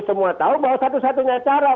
semua tahu bahwa satu satunya cara